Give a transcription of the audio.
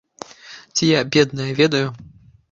Ці я, бедная, ведаю?